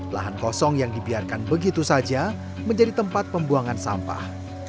lahan kosong yang dibiarkan begitu saja menjadi tempat pembuangan sampah